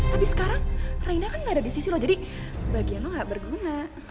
tapi sekarang raina kan gak ada di sisi lo jadi bagian lo gak berguna